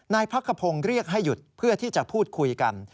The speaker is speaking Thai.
พักขพงศ์เรียกให้หยุดเพื่อที่จะพูดคุยกัน